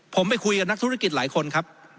ผมไปคุยกับนักธุรกิจหลายคนครับ